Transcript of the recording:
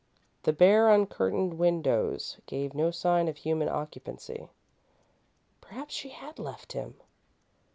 The bare, uncurtained windows gave no sign of human occupancy. Perhaps she had left him!